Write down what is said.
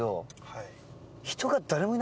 はい。